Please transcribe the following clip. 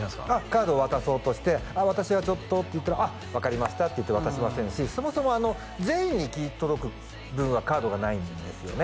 カードを渡そうとして「私はちょっと」って言ったらあっ分かりましたって言って渡しませんしそもそも全員に行き届く分はカードがないんですよね